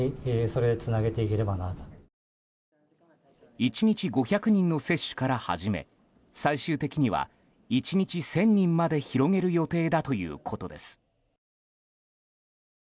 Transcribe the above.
１日５００人の接種から始め最終的には１日１０００人まで広げる予定だということです。